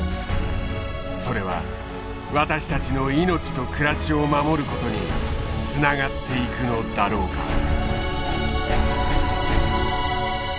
それは私たちの命と暮らしを守ることにつながっていくのだろうか。